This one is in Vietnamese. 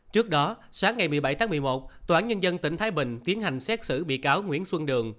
trước đó sáng ngày một mươi bảy tháng một mươi một tòa án nhân dân tỉnh thái bình tiến hành xét xử bị cáo nguyễn xuân đường